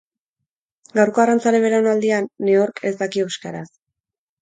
Gaurko arrantzale belaunaldian, nehork ez daki euskaraz.